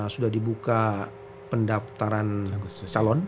sudah dibuka pendaftaran calon